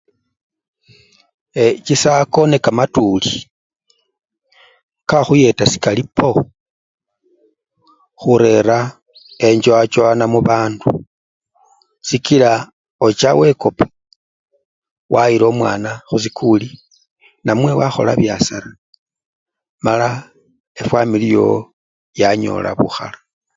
E! chisako nekaatuli, kakhuyeta sikali po!, khurera enchowachowana mubandu, sikila ocha wekopa wayila omwana khusikuli namwe wakhola byasara mala efwamili yowo yanyola bukhala.